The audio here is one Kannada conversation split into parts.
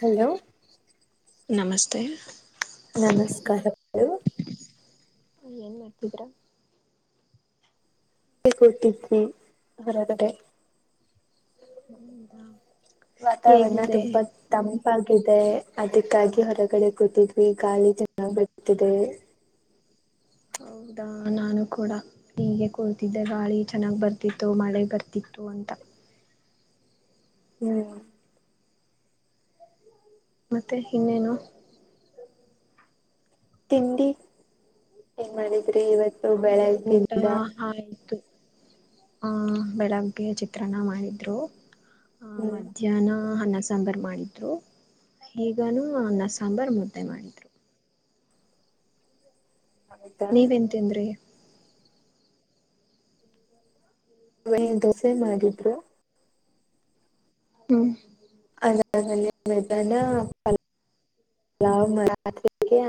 ಹಲೋ ನಮಸ್ತೆ ನಮಸ್ಕಾರು ಏನ್ ಮಾಡ್ತಿದ್ರ ಕೊಟ್ಟಿದ್ವಿ ಆರಾದ್ರ ವಾತಾವರಣರಣ ಹೇಗಿದೆ ತುಂಬ ತಮ್ಮ ತಗಾಗಿದೆ ಅದಕ್ಕಾಗಿ ಹೊರಗಡೆ ಕೂತಿದ್ವಿ ಗಾಳಿ ಚನ್ನಾಗ ಬಿಡ್ತಿದೆ ಹೌ ಹೌದಾ ನಾನು ಕೂಡ ಹೀಗೆ ಕೂರ್ತಿದ್ದೆ ಗಾಳಿ ಚೆನ್ನಾಗ್ ಬರ್ತಿತ್ತು ಮಳೆ ಬರ್ತಿತ್ತು ಅಂತ [unintelligible] ಹ್ಮ್ ಮತ್ತೆ ಇನ್ನೇನು ತಿಂಡಿ ಏನ್ ಮಾಡಿದ್ರಿ ಇವತ್ತು ಊಟ ಬೆಳಗ್ಗಿಂದ ಆಯ್ತು ಆ ಬೆಳಗ್ಗೆ ಚಿತ್ರನ್ನ ಮಾಡಿದ್ರು ಆಹ ಹ್ಮ್ ಮಧ್ಯಾಹ್ನ ಅನ್ನ ಸಾಂಬಾರು ಮಾಡಿದ್ರು ಈಗನೂ ಅನ್ನ ಸಾಂಬಾರ್ ಮುದ್ದೆ ಮಾಡಿದ್ರು ಹೌದಾ ನೀವೇನ್ ತಿಂದ್ರಿ ಅವೇ ದೋಸೆ ಮಾಡಿದ್ರು ಹ ಯ ಮತಾನಾತ್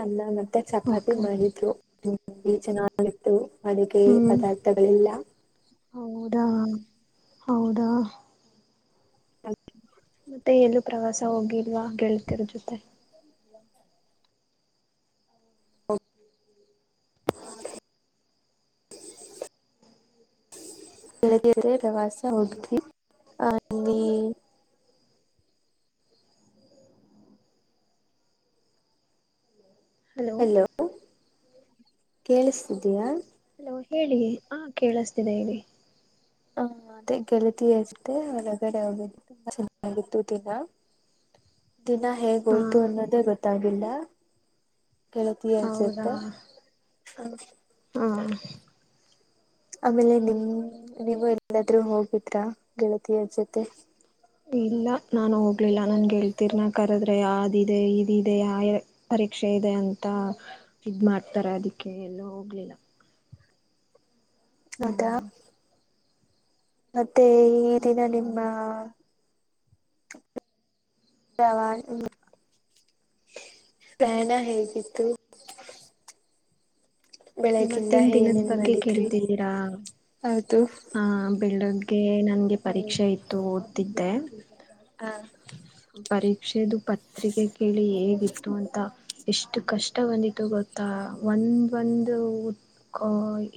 ಅನ್ನ ಮತ್ತ ಚಪಾತಿ ಓಕೆ ಮಾಡಿದ್ರುಂಬಿ ಚೆನ್ನಾಗತ್ತು ಅಡುಗೆ ಹ್ಮ್ ಪದಾರ್ಥಗಳಿಲ್ಲ ಹೌದಾ ಹೌದಾ ಮತ್ತೆ ಎಲ್ಲೂ ಪ್ರವಾಸ ಹೋಗಿಲ್ವಾ ಹೇಳ್ತಿರ ಜೊತೆ [unintelligible] ಬರೆಗೆರೆ ರವಾಸ ಉತಿ ಅ ಹಲೋ ಕೇಳಿಸತಿದೀಯಾ ಹಲೋ ಹೇಳಿ ಹಾ ಕೇಳಿಸತಿದೆ ಹೇಳಿ ಹ ಅದೇ ಗೆಳತರುತ್ತೆ ಹೊರಗಡೆ ಹೋಗು ತುಂಬಾ ಚೆನ್ನಾಗಿತ್ತು ದಿನ ದಿನಾ ಹಾ ಹೇಗೋಯ್ತು ಅನ್ನೋದೇ ಗೊತ್ತಾಗಿಲ್ಲ. ಕೇಳತೀಯ ಜತ್ತ. ಹೌದಾ ಹಾ ಆಮೇಲೆ ನಿಮ್ ನೀವು ಎಲ್ಲಾದ್ರೂ ಹೋಗಿದ್ರ ಗೆಳತಿಯರ ಜೊತೆ. ಇಲ್ಲ ನಾನು ಹೋಗ್ಲಿಲ್ಲ ನನ್ಗೆ ಹೇಳ್ತೀರ್ ನ ಕರದ್ರೆ ಆದಿದೆ ಇದಿದೆ ಪರೀ. ಪಕ್ಷೆ ಇದೆ ಅಂತ ಇದ ಮಾಡ್ತಾರೆ ಅದಕ್ಕೆ ಎಲ್ಲೋ ಹೋಗ್ಲಿಲ್ಲ. ಹೌದಾ ಹ್ಮ್. ಮತ್ತೆ ಈ ದಿನ ನಿಮ್ಮ. [inaudible] ಪ್ರಯಾಣ ಹೇಗಿತ್ತು. ಬೆಳಗ್ಗಿಂದ ಇವತ್ತಿನ ದಿನದ ಏನೇನ್ ಬಗ್ಗೆ ಮಾಡಿದ್ರಿ ಕೇಳ್ತಿದ್ದೀರಾ ಹೌದು. ಹಾ ಬೆಳಗ್ಗೆ ನನ್ಗೆ ಪರೀಕ್ಷೆ ಇತ್ತು ಓದತಿದ್ದೆ. ಪರೀಕ್ಷೆದು ಪತ್ರಿಕೆ ಕೇಳಿ ಹೇಗಿತ್ತು ಅಂತ. ಎಷ್ಟು ಕಷ್ಟ ಬಂದಿಟ್ಟು ಗೊತ್ತಾ ಒಂದ ಒಂದು.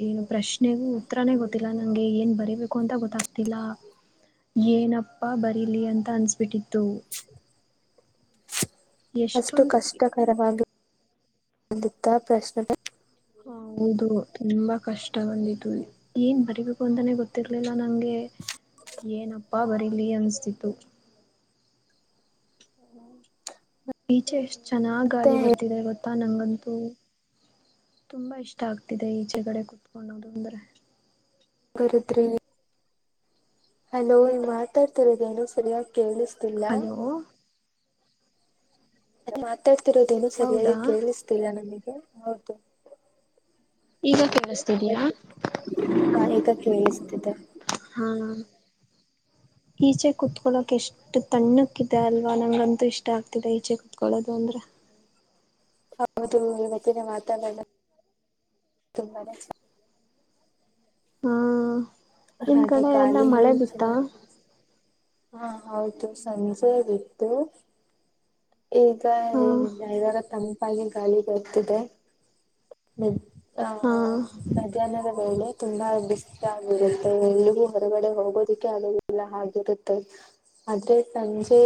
ಏನು ಪ್ರಶ್ನೆಗೂ ಉತ್ತರಾನೇ ಗೊತ್ತಿಲ್ಲ ನ. ನಂಗೆ ಏನ್ ಬರಿಬೇಕು ಅಂತ ಗೊತ್ತಾಗ್ತಿಲ್ಲ ಏನಪ್ಪ ಬರಿಲಿ ಅಂತ ಅನ್ಸ್ಬಿಟ್ಟಿತ್ತು. ತ್ತು. [inaudible] ಅಷ್ಟು ಕಷ್ಟಕರವಾಗಿ ಬಂದಿದ್ದ ಪ್ರಶ್ನೆನೆ. ಹೌದು ತುಂಬಾ ಕಷ್ಟ ಬಂದಿದ್ದು ಏನ್ ಬರಿಬೇಕು ಅಂತಾನೆ ಗೊತ್ತಿರ್ಲಿಲ್ಲ ನಂಗೆ. ಏನಪ್ಪಾ ಬರೀಲಿ ಅನ್ಸ್ತಿತ್ತು. ಈಚೆ ಎಷ್ಟ್ ಚೆನ್ನಾಗ್ ಮತ್ತೆ ಗಾಳಿ ಬರ್ತಿದೆ ಗೊತ್ತಾ ನಂಗಂತೂ. ತುಂಬಾ ಇಷ್ಟ ಆಗ್ತಿದೆ ಈಚೆಗಡೆ ಕುೂತ್ಕೊಳ್ಳೋದು ಅಂದ್ರೆ. ಬರದ್ರಿ ಹಲೋ [inaudible] ಈಗ ಮಾತಾಡ್ತಿರೋದೇನು ಸರಿಯ. ಕೇಳಿಸ್ತಿಲ್ಲ. ಹಲೋ ನನ್ ಮಾತಾಡ್ತಿರೋದೇನು ಸರಿಯಾಗಿ ಹೌದಾ ಕೇಳಿಸ್ತಿಲ್ಲ ನಮಗೆ ಹೌದು. ಈಗ ಕೇಳಸ್ತಿದಯಾ. ಹ ಈಗ ಕೇಳಿಸ್ತಿದೆ. ಹಾ [inaudible] ಈಚೆ ಕುೂತ್ಕೊಳಕ ಎಷ್ಟು ತಣ್ಣಕ್ಕ ಇದೆ ಅಲ್ವಾ ನಂಗಂತೂ ಇಷ್ಟ ಆಗ್ತಿದೆ ಈಚೆ ಕುೂತ್ಕೊಳೋದು ಅಂದ್ರೆ. [inaudible] ಹೌದು ಇವತ್ತ ಮಾತಾಡಲ್ಲ [inaudible] ತುಂಬಾನೇ. ಹಾ ಚೆನ್ನಾಗಿದೆ. ನಿಮ್ ಹಾಗೆ ಕಡೆ ಎಲ್ಲ ಗಾಳಿಯೂ ಮಳೆ ಬಿತ್ತಾ. ಚೆನ್ನಾಗಿ ಹಾ ಹೌದು ಸಂಜೆಗಬಿತ್ತು. ಈಗ ಹ ಏನಿಲ್ಲ ಇವಾಗ ತಂಪಾಗಿ ಗಾಳಿ ಬರುತ್ತಿದೆ. ಹ ಹಾ ಮಧ್ಯಾಹ್ನದ ವೇಳೆ. ತುಂಬಾ ಬಿಸಲ್ ಆಗಿರುತ್ತೆ ಎಲ್ಲಿಗೂ ಹೊರಗಡೆ ಹೋಗೋದಿಕ್ಕೆ ಅಲ್ಲ ಆಗಿರುತ್ತೆ. ಆದ್ರೆ ಸಂಜೆ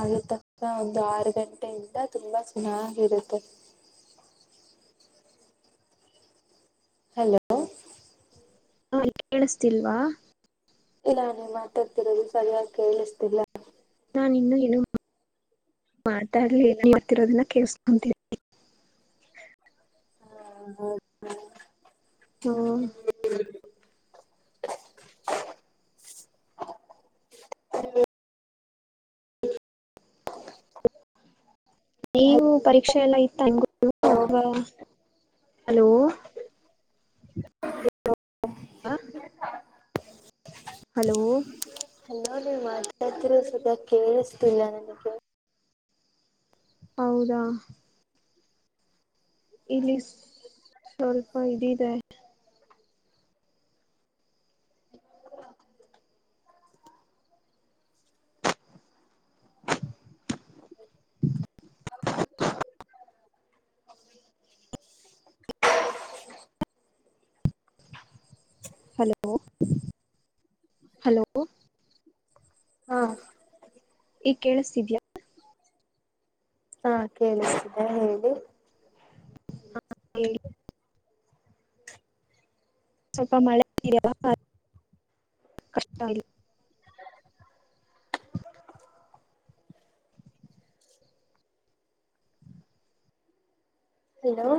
ಆಗಿ ತಕ್ಕ ಒಂದು ಆರು ಗಂಟೆಯಿಂದ ತುಂಬಾ ಚೆನ್ನಾಗಿ. ರತ್ತ. [inaudible] ಹಲೋ. ಹಾ ಕೇಳಿಸತಿಲ್ವಾ. ಇಲ್ಲಾ ನೀವು ಮಾತಾಡ್ತಿರೋದು ಸರಿಯಾಗಿ ಕೇಳಿಸ್ತಿಲ್ಲ. ನಾ ಇನ್ನು ಏನು [inaudible] ಮಾತಾಡ್ಲೆ ಏನ ಮಾಡತಿರೋದನ್ನ ಕೇಳ್ಸ್ಕೊಂತೀನಿ. ಹ ಹೌದ. ಹ್ಮ. ನೀವು ಪರೀಕ್ಷೆ ಎಲ್ಲ ಇತ್ತ ಅಥವಾ. ಹಲೋ. [unintelligible] ಹ. ಹಲೋ. ಅಯ್ಯೋ ಮಾತಾಡ್ತಿರೊದ್ ಸದಾ ಕೇಳಿಸ್ತಿಲ್ಲ ನನಗೆ. ಹೌದ. ಇಲ್ಲಿ ಸ್ವಲ್ಪ ಇದಿದೆ. ಹಲೋ [inaudible] ಹಲೋ ಹಾ ಈ ಕೇಳಿಸತಿದ್ಯಾ. ಹಾ ಕೇಳತಿದ್ದ ಹೇಳಿ. ಹ ಹೇಳಿ ಸ್ವಲ್ಪ ಮಳೆ [inaudible] ಕಷ್ಟ ಆಗ ಹಲೋ